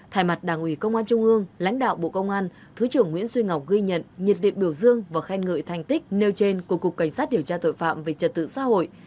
thay mặt đảng ủy công an trung ương lãnh đạo bộ công an thứ trưởng nguyễn duy ngọc ghi nhận nhiệt điện biểu dương và khen ngợi thành tích nêu trên của cục cảnh sát điều tra tội phạm về trật tự xã hội